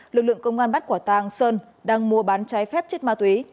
lực lượng công an bắt quả tàng sơn đang mua bán trái phép chất ma túy